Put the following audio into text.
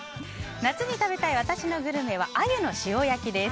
夏に食べたい私のグルメはアユの塩焼きです。